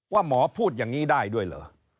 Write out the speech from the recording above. หมอพูดอย่างนี้ได้ด้วยเหรอ